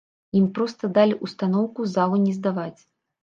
Ім проста далі ўстаноўку залу не здаваць.